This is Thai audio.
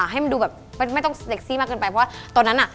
ให้มันดูไม่ต้องอะโซซีมากกึ่นไปเพราะว่าตอนนั้นอะ